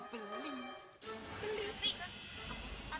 beli tapi apa